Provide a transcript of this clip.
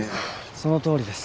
そのとおりです。